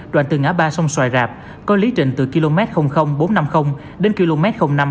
đoạn từ ngã ba sông xoài rạp có lý trình từ km bốn trăm năm mươi đến km năm